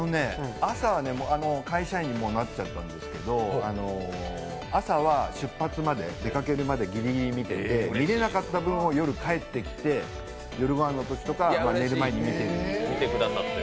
朝、会社員になっちゃったんだけど、出発まで、朝は出かけるギリギリまで見て、見れなかった分を夜帰ってきて夜ごはんのときとか寝る前に見てるって。